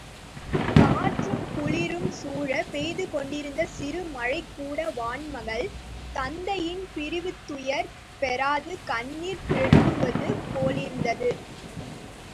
காற்றும் குளிரும் சூழப் பெய்துகொண்டிருந்த சிறு மழைகூட வான் மகள், தத்தையின் பிரிவுத்துயர் பொறாது கண்ணிர் பெருக்குவது போலிருந்தது.